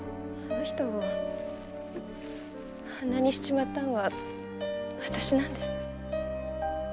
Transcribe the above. あの人をあんなにしちまったのは私なんです。